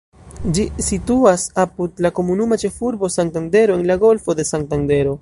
Ĝi situas apud la komunuma ĉefurbo Santandero, en la Golfo de Santandero.